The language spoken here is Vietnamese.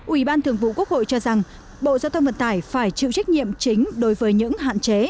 ủy ban thường vụ quốc hội cho rằng bộ giao thông vận tải phải chịu trách nhiệm chính đối với những hạn chế